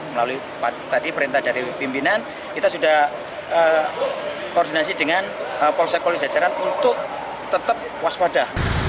melalui tadi perintah dari pimpinan kita sudah koordinasi dengan polsek polis jajaran untuk tetap waspada